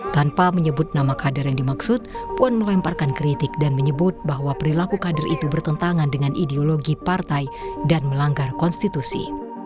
tanpa menyebut nama kader yang dimaksud puan melemparkan kritik dan menyebut bahwa perilaku kader itu bertentangan dengan ideologi partai dan melanggar konstitusi